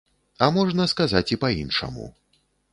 А можна сказаць і па-іншаму.